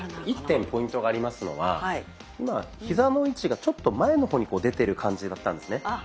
一点ポイントがありますのは今ヒザの位置がちょっと前の方に出てる感じだったんですね。